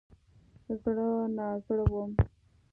زړه نازړه وم.